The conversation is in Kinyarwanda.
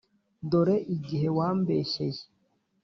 dore igihe wambeshyeye!”